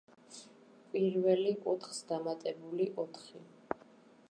პირველი, ოთხს დამატებული ოთხი.